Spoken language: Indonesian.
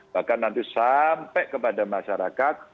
bahkan nanti sampai kepada masyarakat